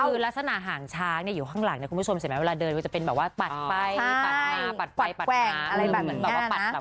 คือลักษณะหางช้างเนี่ยอยู่ข้างหลังเนี่ยคุณผู้ชมเสร็จมั้ยเวลาเดินมันจะเป็นแบบว่าปัดไฟปัดหน้าปัดแกว่งอะไรแบบนี้แหละนะ